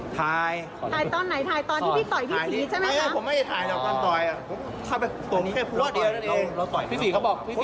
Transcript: ตบบอกแต่ปากพี่ฟรีก็แตก